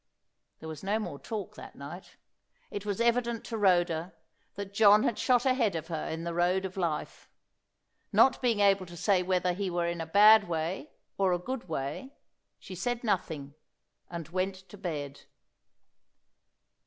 There was no more talk that night. It was evident to Rhoda that John had shot ahead of her in the road of life. Not being able to say whether he were in a bad way or a good way, she said nothing and went to bed.